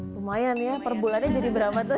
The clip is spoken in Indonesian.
lumayan ya perbulannya jadi berapa tuh